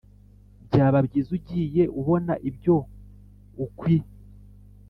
Byaba byiza ugiye ubona ibyo ukwie